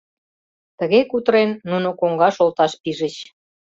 Тыге кутырен нуно коҥгаш олташ пижыч.